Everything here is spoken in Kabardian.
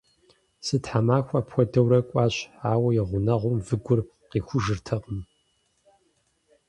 Зы тхьэмахуэ апхуэдэурэ кӏуащ, ауэ и гъунэгъум выгур къихужыртэкъым.